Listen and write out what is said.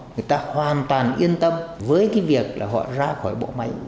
người ta hoàn toàn yên tâm với cái việc là họ ra khỏi bộ máy